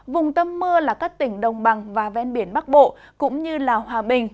vùng tâm mưa là các tỉnh đồng bằng và ven biển bắc bộ cũng như hòa bình